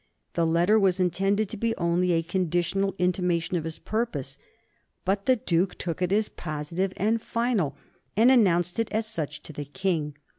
The letter was intended to be only a conditional intimation of his purpose, but the Duke took it as positive and final, and announced it as such to the King.